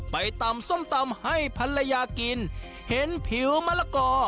ไปตำส้มตำให้ภรรยากินเห็นผิวมะละกอ